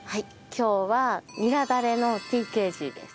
今日はニラダレのＴＫＧです。